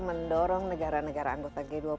mendorong negara negara anggota g dua puluh